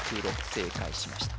正解しました